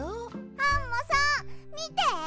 アンモさんみて！